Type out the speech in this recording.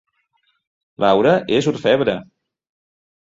Laura és orfebre